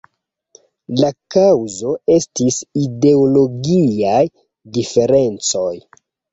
La kaŭzo estis ideologiaj diferencoj.